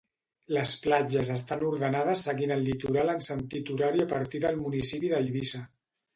Les platges estan ordenades seguint el litoral en sentit horari a partir del municipi d'Eivissa.